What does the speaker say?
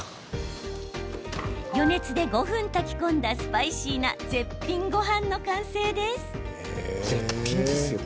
余熱で５分炊き込んだスパイシーな絶品ごはんの完成です。